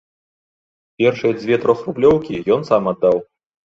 Першыя дзве трохрублёўкі ён сам аддаў.